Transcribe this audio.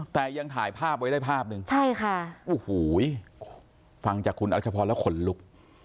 แต่ยังถ่ายภาพไว้ได้ภาพหนึ่งใช่ค่ะโอ้โหฟังจากคุณรัชพรแล้วขนลุก